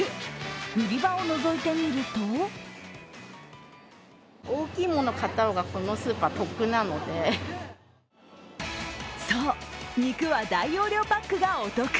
売り場をのぞいてみるとそう、肉は大容量パックがお得。